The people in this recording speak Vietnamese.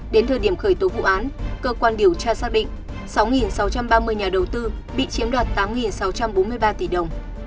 đến thời điểm khởi tố vụ án cơ quan điều tra xác định sáu sáu trăm ba mươi nhà đầu tư bị chiếm đoạt tám sáu trăm bốn mươi ba tỷ đồng